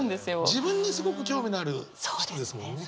自分にすごく興味のある人ですもんね。